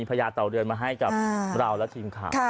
พระยาตัวเดือนมาให้ค่อนข้างข้าง